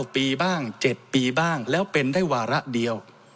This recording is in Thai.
ปีบ้าง๗ปีบ้างแล้วเป็นได้วาระเดียว